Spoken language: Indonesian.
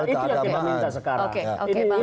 itu yang kita minta sekarang